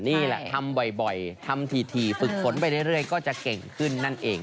นี่แหละทำบ่อยทำถี่ฝึกฝนไปเรื่อยก็จะเก่งขึ้นนั่นเอง